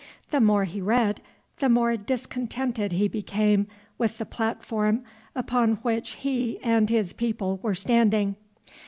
The more he read, the more discontented he became with the platform upon which he and his people were standing.